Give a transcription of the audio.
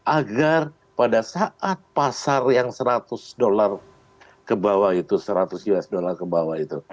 agar pada saat pasar yang seratus usd ke bawah itu